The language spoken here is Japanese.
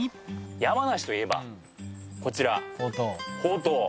山梨といえばこちらほうとう。